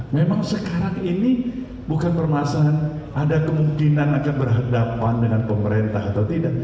memang sekarang ini bukan permasalahan ada kemungkinan akan berhadapan dengan pemerintah atau tidak